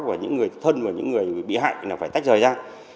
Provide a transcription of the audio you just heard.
và những người thân và những người bị hại là phải tách rời ra